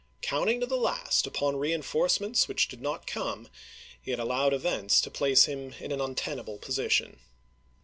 Counting to the last upon reenforce ments which did not come, he had allowed events to place him in an untenable position.